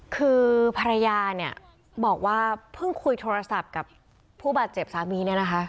คือภรรยาเนี่ยบอกว่าเพิ่งคุยโทรศัพท์กับผู้บาดเจ็บสามีเนี่ยนะคะ